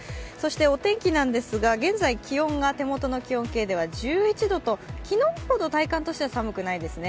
お天気ですが、現在、手元の気温計で気温は１１度と昨日ほど体感としては寒くないですね。